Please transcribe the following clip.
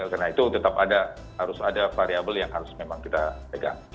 karena itu tetap ada harus ada variable yang harus memang kita pegang